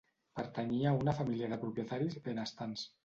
Pertanyia a una família de propietaris benestants.